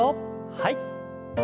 はい。